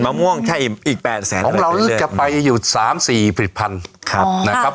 มะม่วงใช่อีกแปดแสนของเราจะไปอยู่สามสี่ผลิตภัณฑ์ครับนะครับ